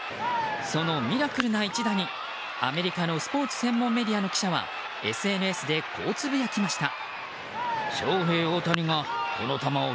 そのミラクルな一打にアメリカのスポーツ専門メディアの記者はＳＮＳでこうつぶやきました。